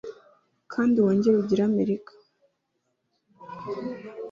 Kandi wongere ugire Amerika